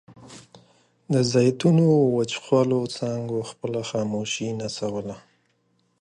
د زیتونو وچخولو څانګو خپله خاموشي نڅوله.